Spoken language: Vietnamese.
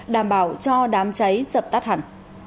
đảm bảo cho đám cháy sập tắt hẳn